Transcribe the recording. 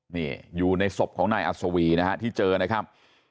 นี่อยู่ในศพของนายอัศวีนะฮะที่เจอนะครับ